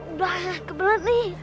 udah kebelet nih